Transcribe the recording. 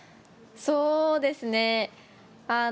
そうですね。